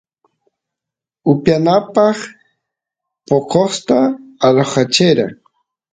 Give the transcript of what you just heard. upiyanapaq poqosta alojayachera